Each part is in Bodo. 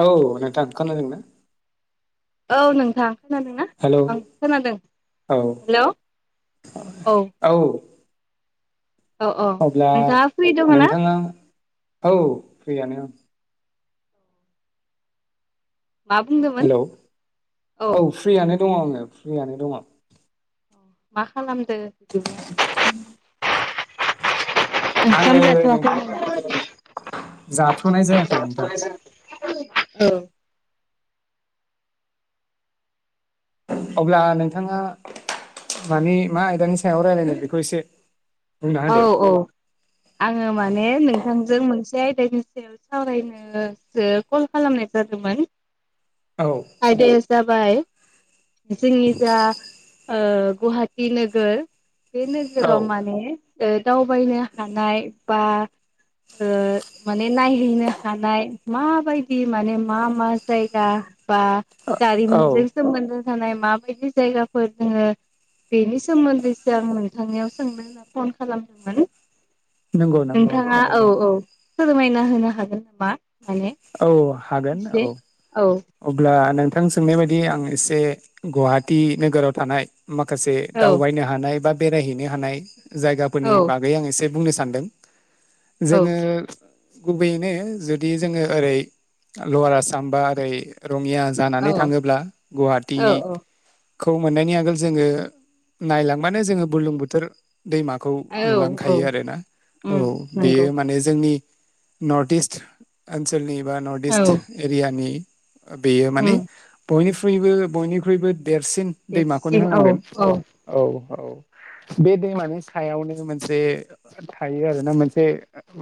औ नोंथां खोनादों ना? औ नोंथां खोनादोंना हेलौ ओं खोनादों औ हेल' औ औ औ औ अब्ला नोंथाङा फ्रि दङ ना नोंथाङा औ फ्रियानो मा बुंदोंमोन हेलौ औ फ्रियानो दङ आङो फ्रियनो दङ औ मा खालामदो बिदिब्ला आङो ओंखाम नों जाथ'वाखै नामा जाथ'नाय जायाखै नोंथां जाथ'वाखै जों औ अब्ला नोंथाङा मानि मा आयदानि सायाव रायजलायनो बेखौ एसे बुंना औ होदो औ आङो माने नोंथांजों मोनसे आयदानि सायाव सावरायनोसो कल खालामनाय जादोंमोन औ । आयदाया जाबाय जोंनि जा ओ गुवाहाटि नोगोर बे औ नोगोराव माने ओ दावबायनो हानाय बा ओ माने नायहैनो हानाय माबायदि माने मा मा जायगा बा औ औ जारिमिनजों सोमोन्दो थानाय माबायदि जायगाफोर दङो बेनि सोमोन्दैसो आं नोंथांनियाव सोंनो होना फन खालामदोंमोन नंगौ नंगौ नोंथाङा औ औ फोरमायना होनो हागोन नामा? माने औ हागोन एसे औ। औ अब्ला नोंथां सोंनाय बायदि आं एसे गुवाहाटि नोगोराव थानाय माखासे औ दावबायनो हानाय बा बेरायहैनो हानाय औ जायगाफोरनि बागै आं एसे बुंनो सानदों औ जोङो गुबैयैनो जुदि जोङो ओरै लवार आसाम बा ओरै रङिया जानानै थाङोब्ला गुवाहाटि औ खौ मोननायनि आगोल जोङो नायलांबानो जोङो बुर्लुंबुथुर दैमाखौ औ नुलांखायो औ आरो ना औ उम नंगौ बेयो माने जोंनि नर्थ इस्ट ओनसोलनि बा नर्थ औ इस्ट इरियानि बेयो माने उम बयनिख्रुइबो बयनिख्रुइबो देरसिन दे दैमाखौनो सिं औ होननांगोन औ औ बे दैमानि सायावनो मोनसे थायो आरो ना मोनसे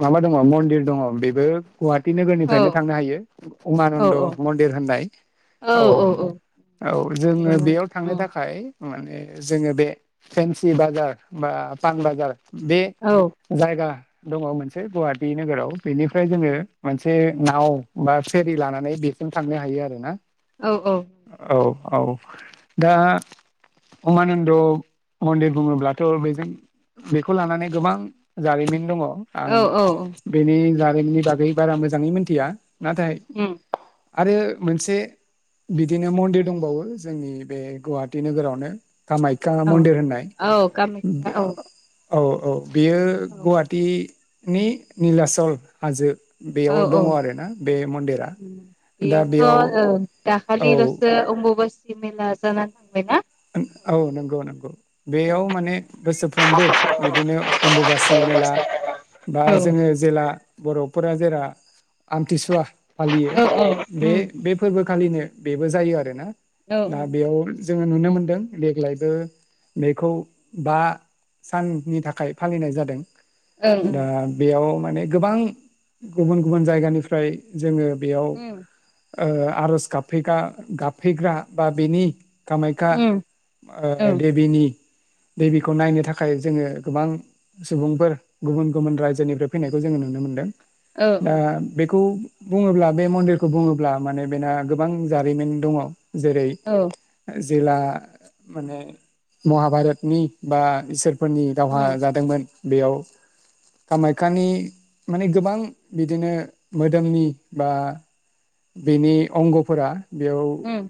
माबा दं मनदि दिर दङो बेबो गुवाहाटी औ नोगोरनिफ्रायनो थांनो हायो औ उमानन्द मन्दिर होननाय औ औ जों बेयाव थांनो औ थाखाय माने जोङो बे फेनसि बाजार बा पान बाजार बेह औ जायगा दङो मोनसे गुवाहाटि नोगोराव बेनिफ्राय जों मोनसे नाव बा फेरि लानानै बे थांनो हायो आरो ना औ औ औ दा उमानोन्द मन्दिर बुङोबाथ' बेजों बेखौ लानानै गोबां जारिमिन दङो आं औ औ बेनि जारिमिननि बागै बारा मोजाङै मिथिया नाथाय उम आरो मोनसे बिदिनो मन्दिर दंबावो जोंनि बे गुवाहाटि नोगोरावनो कामायख्या औ मन्दिर होननाय औ कामाख्या औ औ औ बेयो औ गुवाहाटि नि निलाचल हाजो ओ औ बेयाव औ दं आरो ना बे मन्दिरा उम दा बेयावथ बेयाव ओ औ दाखालिल'सो अम्बुबासि मेला जानानै थांबायना? औ नंगौ नंगौ औ बेयाव माने बोसोरफ्रोमबो बिदिनो अम्बुबासि मेला बा औ जोङो जेला बर'फोरा जेरा आमथिसुवा फालियो औ औ बे उम बे फोरबो खालिनो बेबो जायो आरो ना औ दा उम बेयाव जों नुनो मोन दों देग्लायबो बेखौ बा साननि थाखाय फालिनाय जादों ओं दा ओं बेयाव मानि गोबां गुबुन गुबुन जायगानिफ्राय जोङो बेयाव ओ आर'ज गाबफैगा गाबफैग्रा बा बेनि कामाख्या उम ओ उम देबिनि [inaudible] देबिखौ नायनो थाखाय जोङो गोबां सुबुंफोर गुबुन गुबुन रायजोनिफ्राय फैनायखौ जोङो नुनो मोनदों औ उम दा बेखौ बुङोब्ला बे मन्दिरखौ बुङोब्ला माने बेना गोबां जारिमिन दङो जेरै औ ओ जेला मानि महाभारतनि बा इसोरफोरनि दावहा उम जादोंमोन बेयाव कामाख्यानि मानि गोबां बिदिनो मोदोमनि बा बेनि अंगफोरा बेयाव उम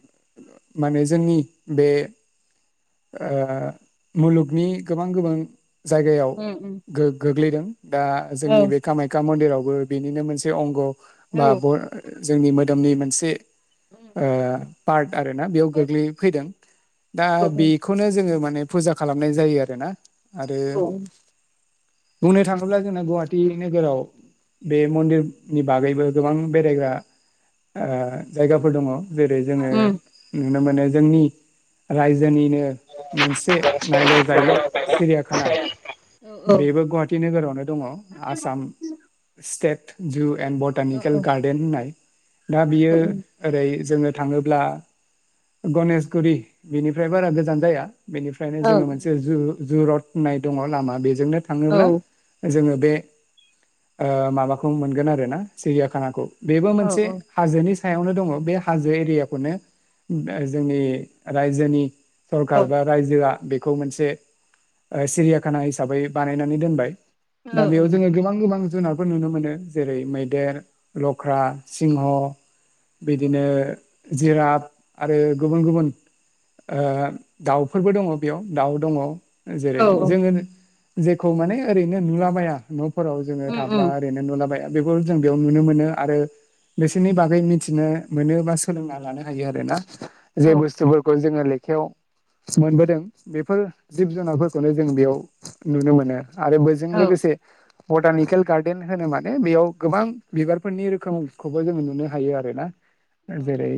माने जोंनि बे ओ मुलुगनि गोबां गोबां जायगायाव उम उम गो गोग्लैदों दा औ जोंनि बे कामाख्या मन्दिरावबो बेनिनो मोनसे अंग ओ औ बा बो जोंनि मोदोमनि मोनसे उम पार्ट आरो ना बेयाव गोग्लै फैदों दा औ बे उम बेखौनो जोङो माने फुजा खालामनाय जायो आरोना आरो औ बुंनो थाङोब्ला जोंना गुवाहाटि नोगोराव बे मन्दिरनि बागैबो गोबां बेरायग्रा जायगाफोर ओ दङो जेरै जोङो औ नुनो मोनो जोंनि रायजोनिनो मोनसे नायल' जायल' सिरियाकाना बेबो गुवाहाटी नोगोरावनो दङ आसाम स्टेट जु एणड औ बटानिकेल गार्डेन होननाय दा बियो उम ओरै जोङो थाङोब्ला गनेशगुरि बिनिफ्राय बारा गोजान जाया बेनिफ्रायनो औ जोङो मोनसे ज जुरतनाय दङ लामा बेजोंनो थाङोब्ला औ जोङो बे माबाखौ मोनगोन आरोोना सिरियााखानाखौ बेबो मोनसे हाजोनि सायावनो दङ बे हाजो एरियाखौनो जोंनि रायजोनि सरखारार बा रायजोआ बेखौ मोनसे सिरियााखाना हिसाबै बानायनानै दोनबाय दा बेयाव जोङो गोबां गोबां जिब जुनारफोर नुनो मोनो जेरै मैदेर लख्रा सिंह बिदिनो जिराद आरो गुबुन गुबुन ओ दाउफोरबो दङ बेयाव दाउ दङ औ जेरै औ जोङो जेखौ माने ओरैनो नुलाबाया न'फोराव जोङो उम थाब्ला उम ओरैनो नुलाबायाया बेखौ जों बेयाव नुनो मोनो आरो बिसोरनि बागै मिथिनो मोनोबा सोलोंना लानो हायो आरो ना जे औ बुस्थुफोरखौ जोङो लेखायाव मोनबोदों बेफोर जिब जुनारफोरखौनो जों बेयाव नुनो मोनो आरो बजों औ लोगोसे बटानिकेल गार्देन होनो माने बेयाव गोबां बिबारफोरनि रोखोमखौबो जोङो नुनो हायो आरो ना जेरै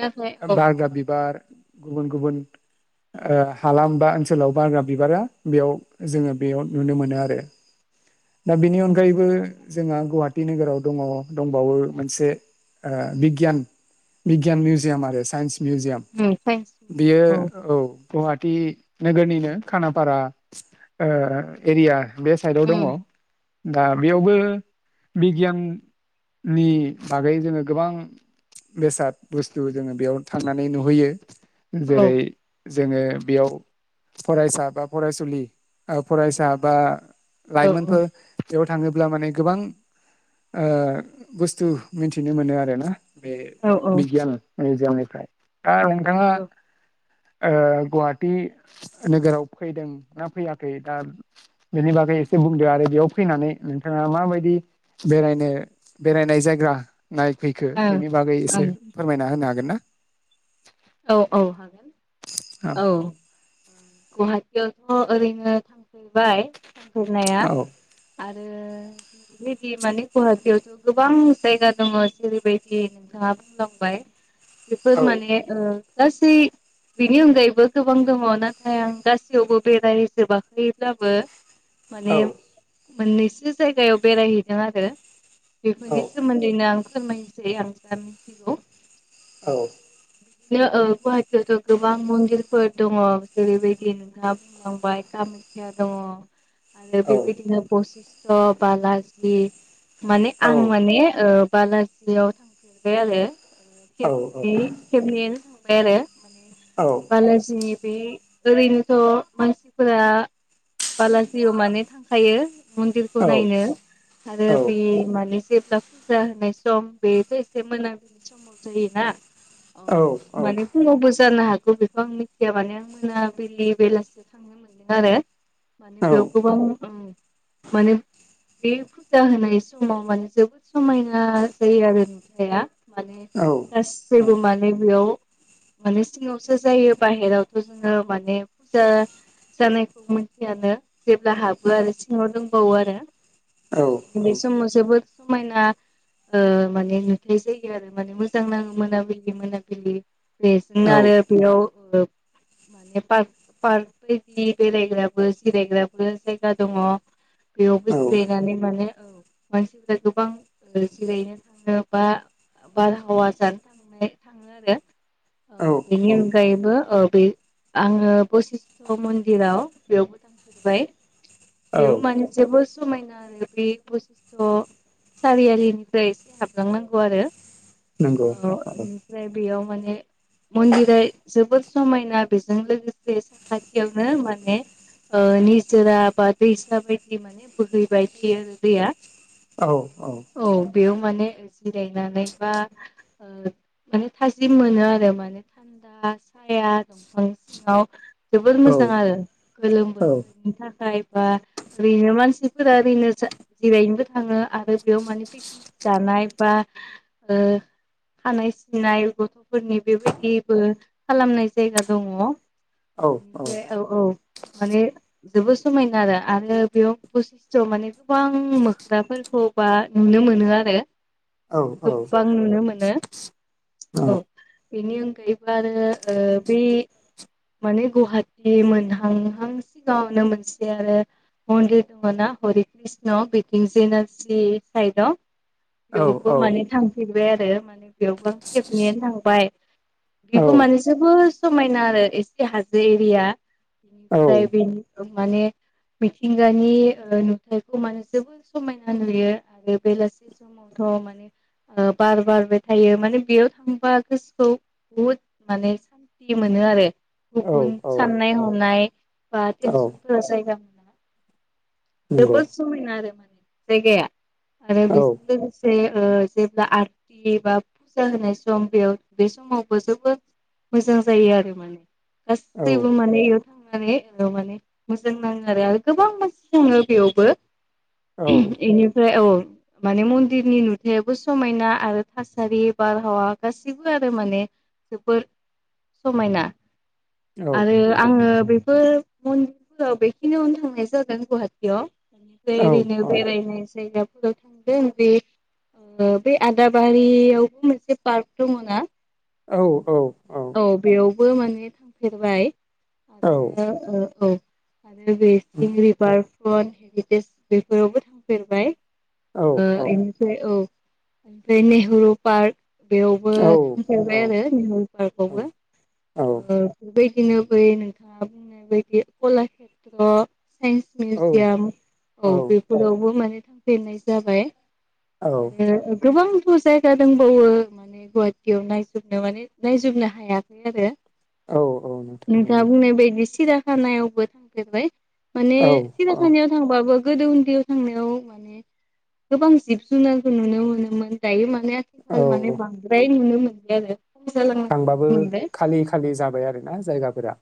नाथाय औ बारगा बिबार गुबुन गुबुन हालाम बा ओनसोलाव बारग्रा बिबारा बेयाव जोङो बेयाव नुनो मोनो आरो [inaudible] दा बेनि अनगायैबो जोंहा गुवाहाटिी नोगोराव दङ दंबावो मोनसे बिगियान बिगियान म्यउजियाम आरो सायनस [unintelligible] बियो औ गुवाहाटि नोगोरनिनो खानाफारा एरिया बे साइडआव दङ उम दा बेयावबो बिगियान नि बागै जोङो गोबां बेसाद बुस्थु जोङो बेयाव थांनानै नुहैयो औ जेरै जोङो बेयाव फरायसा बा फरायसुलि फरायसा बा औ लाायमनफोर औ बेयाव थाङोब्ला माने गोबां बुस्थु मिथिनो मोनो आरो ना बे औ औ बिगियान मिउजियामनिफ्राय दा नोंथाङा [inaudible] गुवाहाटि नोगोराव फैदों ना फैयाखै दा बेनि बागै एसे बुंद आरो बेयाव फैनानै नोंथाङा माबायदि बेरायनो बेरायनाय जायग्रा नायफैखो बेनि बागै एसे फोरमायना होनो हागोन ना औ औ हागोन औ गुवाहाटियावथ' ओरैनो थां थांनाफैबाय औ थांफैनाया आरो बेबायदि माने गुवाहाटियावथ' गोबां जायगा दङ जेरैबायदि नोंथाङा बुंनांगौ बेफोर औ माने ओ गासै बिनि अनगायैबो गोबां दङ नाथाय आं गासैयावबो बेरायजोबाखैब्लाबो माने मोननैसो जायगायाव बेरायहैदों आरो बेफोरनि सोमोन्दैनो आं फोरमायनोसै आं जा मिथिगौ औ बिदिनो गुवाहाटियावथ' गोबां मन्दिरफोर दङ जेरैबायदि नोंहा बुंलांबाय कामाख्या दङ आरो बेबायदिनो पसिस्थ' बालाजि माने आं माने बालाजियाव थांफेरबाय आरो खेबनै। [unintelligible] थांबाय आरो बालाजिनि बे ओरैनोथ' मानसिफोरा बालाजियाव माने थांखायो। मन्दिरखौ नायनो आरो बे माने जे ब्ला फुजा होनाय सम बेथ' एसे [unintelligible] समाव जायोना। औ माने फुङावबो जानो हागौ बेखौ आं मिथिया माने आं मोनाबलि बेलासि थांनो [inaudible] माने बेयाव गोबां ओम माने बे फुजा होनाय समाव माने जोबोद समायना जायो आरो नुथाया। माने गासैबो माने बेयाव माने सिङावसो जायो बाहेरावथ' जोङो माने फुजा जानायखौ मिथियानो। जेब्ला हाबो आरो सिङाव दंबावो आरो बे समाव जोबोद समायना ओ माने नुथाय जायो आरो माने मोजां नाङो मोना बिलि मोनाबिलि बेजोंनो आरो बेयाव ओ ने पार्क पार्क बायदि बेरायग्राबो जिरायग्राबो जायगा दङ। बेयावबो जिरायनानै माने औ मानसिफोरा गोबां जिरायनो थांङो बा बारहावा जा [inaudible] थाङो आरो औ ओ बेनि अनगायैबो ओ बे आङो बसिस्थ' मन्दिराव बेयावबो [inaudible] औ बेयाव माने जेबो समायना आरो बे बसिस्थ' सारियालिनिफ्राय एसे हाबलांनांगौ आरो। औ ओनिफ्राय बेयाव माने मन्दिरा जोबोद समायना बेजों लोगोसे साखाथियावनो माने ओ निजोरा बा दैसा बायदि माने बोहैबाय थायो आरो दैया। औ औ। बेयाव माने जिरायनानै बा ओ माने थाजिम मोनो आरो माने थान्दा साया दंफां सिङाव जोबोर औ मोजां आरो गोलोम औ बोथोरनि थाखाय। बा ओरैनो मानसिफोरा ओरैनो जा जिरायनोबो थाङो आरो बेयाव मान पिकनिक जाना नाय बा ओ खानाय सिननाय गथ'फोरनि बेबायदिबो खालामनाय जायगा दङ। औ [inaudible] फ्राय औ औ माने जोबो समायना आरो आरो बेयाव बसिस्थ' माने गोबां मोख्राफोरखौबा नुनो मोनो आरो। औ औ गोबां नुनो मोनो औ। बिनि अनगायैबो आरो ओ बे माने गवाहाटि मोनहांहां सिगाङावनो मोनसे आरो मन्दिर दङ ना हरि कृष्ण बिथिं जि एन आर सि साइदआव बेयावबो नंगौ माने औ थांफेरबाय आरो माने बेयावबो आं खेबनैनोआनो थांबाय। औ बिबो माने जोबोर समायना आरो एसे हाजो एरिया। औ औ [unintelligible] बेनि माने मिथिंगानि ओ नुथायखौ माने जोबोद समायना नुयो आरो बेलासि सम थ' माने बार बारबाय थायो माने बेयाव थांबा गोसोखौ बहुद माने सान्थि मोनो आरो। गुबुन साननाय हनाय बा टेनसनफोरा जायगा मोना। जोबोद समायना आरो माने जायगाया आरो बेजों औ लोगोसे ओ जेब्ला आरथि बा फुजा होनाय सम बेयाव बे समावबो जोबोद मोजां जायो आरो माने गासैबो माने इयाव थांनानै माने जों नाङो आरो गोबां मानसि थाङो बेयावबो इनिफ्राय औ। माने मन्दिरनि नुथायाबो समायना आरो थासारि बारहावा गाससिबो आरो माने। जोबोर समायना आरो आङो बेफोर म औ बेखिनियावनो थांनाय जादों गुवाहाटियाव बेनिफ्राय ओरैनो बेरायनाय जायगा [unintelligible] ओ बे आदाबारियावबो मोनसे पार्क दङ'ना औ औ औ बेयावबो माने थांफेरबाय आरो ओ औ आरो बेसिं रिभार फोर हेरिटेज बेफोरावबो थांफेरबाय औ ओ औ औ एनफ्राय औ ओमफ्राय नेहरु पार्क बेयावबो औ औ थांफेरबाय आरो औ औ बिदिनो बै नोंथाङा बुंनाय बायदि कलाक्षेत्र साइन्स मिउजियाम औ बेफोरावबो माने थांफेरनाय जाबाय औ आरो गोबांथ' जायगा दंबावो माने गुवाहाटियाव नायजोबनो माने नायजोबनो हायाखै आरो औ औ नोंथां नोंथाङा नंगौ बुंनाय बायदि सिरियाखानायावबो थांफेरबाय माने औ औ सिराखानायाव थांबाबो गोदो उन्दैयाव थांनायाव माने गोबां जिब जुनारखौ नुनो मोनोमोन दायो मान ने आथिखाल माने औ बांद्राय नुनो मोनला आरो। खम जालांनायखौ थांबाबो नुनो मोनबाय खालि खालि जाबाय आरोना जायगाफोरा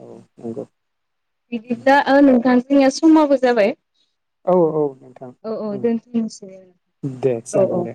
औ नंगौ। बिदिब्ला ओ नोंथां जोंनिया समाबो जाबाय। औ औ नोंथां औ औ उम, दोनथ'नोसै दे औ जागोन औ दे